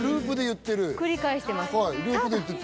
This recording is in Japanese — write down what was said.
繰り返してます